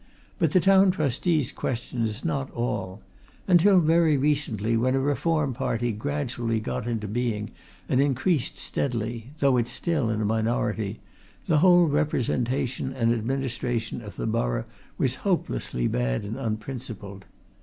But the Town Trustees question is not all. Until very recently, when a Reform party gradually got into being and increased steadily though it's still in a minority the whole representation and administration of the borough was hopelessly bad and unprincipled.